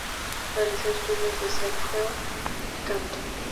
Realizó estudios de solfeo y canto.